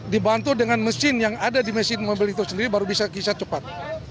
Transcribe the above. dibantu dengan mesin yang ada di mesin mobil itu sendiri baru bisa kisah cepat